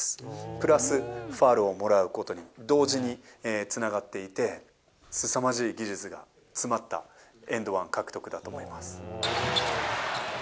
プラス、ファウルをもらうことに同時につながっていて、すさまじい技術が詰まったエンドワン獲得だと思います。